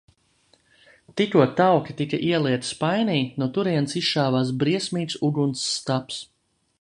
Tikko tauki tika ielieti spainī, no turienes izšāvās briesmīgs uguns stabs.